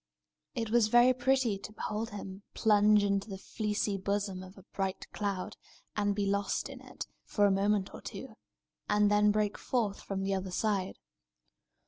It was very pretty to behold him plunge into the fleecy bosom of a bright cloud, and be lost in it, for a moment or two, and then break forth from the other side.